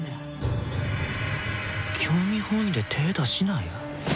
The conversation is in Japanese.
興味本位で手ぇ出しなや。